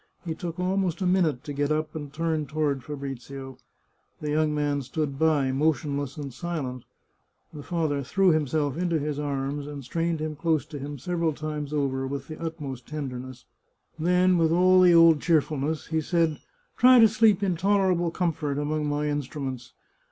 He took almost a minute to get up and turn toward Fa brizio. The young man stood by, motionless and silent. The father threw himself into his arms, and strained him close l68 The Chartreuse of Parma to him several times over with the utmost tenderness. Then, with all the old cheerfulness, he said :" Try to sleep in tolerable comfort among my instruments.